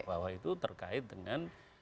bahwa itu terkait dengan